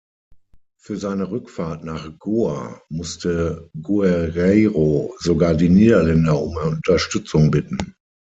Für seine Rückfahrt nach Goa musste Guerreiro sogar die Niederländer um Unterstützung bitten.